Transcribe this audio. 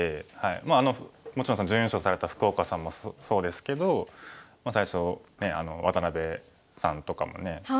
まあもちろん準優勝された福岡さんもそうですけど最初渡辺さんとかもね